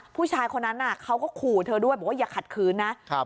ผู้ชายคนนั้นเขาก็ขู่เธอด้วยบอกว่าอย่าขัดขืนนะครับ